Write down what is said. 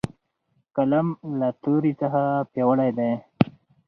قلم له تورې څخه پیاوړی دی.